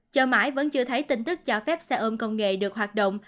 chợ mãi vẫn chưa thấy tin tức cho phép xe ôm công nghệ được hoạt động